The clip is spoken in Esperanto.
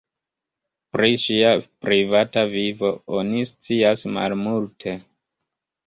Pri ŝia privata vivo oni scias malmulte.